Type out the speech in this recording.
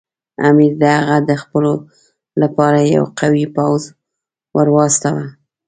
امیر د هغه د ځپلو لپاره یو قوي پوځ ورواستاوه.